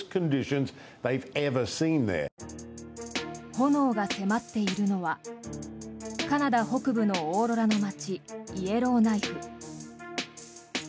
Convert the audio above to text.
炎が迫っているのはカナダ北部のオーロラの街イエローナイフ。